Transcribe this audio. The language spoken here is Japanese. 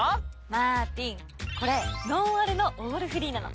マーティンこれノンアルのオールフリーなの。